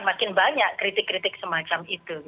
makin banyak kritik kritik semacam itu